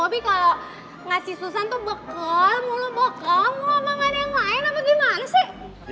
mau lu bawa kamu mau makan yang lain apa gimana sih